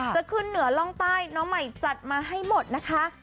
จะขึ้นเหนือร่องใต้น้องใหม่จัดมาให้หมดนะคะ